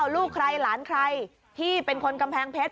ลูกใครหลานใครที่เป็นคนกำแพงเพชร